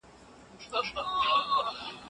تیاره د شپې د پای ته رسېدو نښه ده.